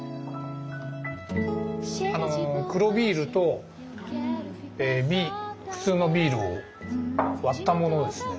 あの黒ビールと普通のビールを割ったものですね。